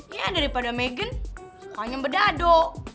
ya daripada megan sukanya mbedado